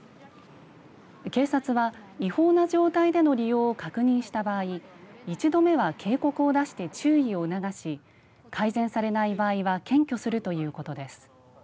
警察は違法な状態での利用を確認した場合一度目は警告を出して注意を促し改善されない場合は検挙するということです。